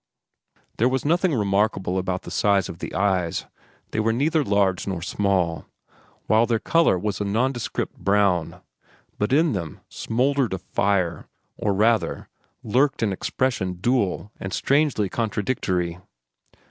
There was nothing remarkable about the size of the eyes. They were neither large nor small, while their color was a nondescript brown; but in them smouldered a fire, or, rather, lurked an expression dual and strangely contradictory.